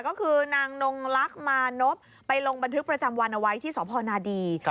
ก็คือนางนงลักษณ์มานพไปลงบันทึกประจำวันเอาไว้ที่สพนาดี